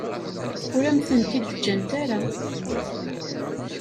Ur am-ten-id-ǧǧant ara.